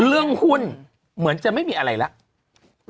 เรื่องหุ้นเหมือนจะไม่มีอะไรแล้ว